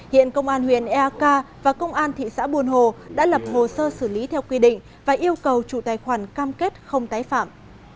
hiện công an huyện eak và công an thị xã buôn hồ đã lập hồ sơ xử lý theo quy định và yêu cầu chủ tài khoản cam kết không tái phạm